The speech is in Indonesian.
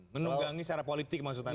menunggangi secara politik maksud anda